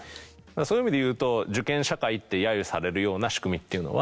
そういう意味でいうと受験社会ってやゆされるような仕組みっていうのは。